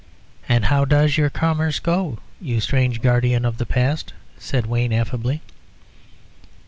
"And how does your commerce go, you strange guardian of the past?" said Wayne, affably.